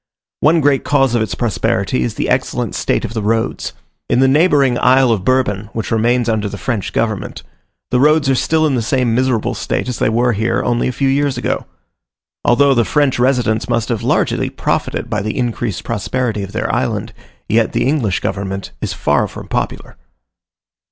One great cause of its prosperity is the excellent state of the roads. In the neighbouring Isle of Bourbon, which remains under the French government, the roads are still in the same miserable state as they were here only a few years ago. Although the French residents must have largely profited by the increased prosperity of their island, yet the English government is far from popular.